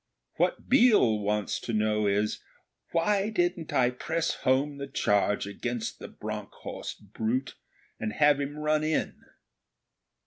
What Biel wants to know is, 'Why didn't I press home the charge against the Bronckhorst brute, and have him run in?'